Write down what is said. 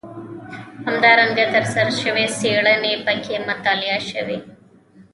همدارنګه ترسره شوې څېړنې پکې مطالعه شوي.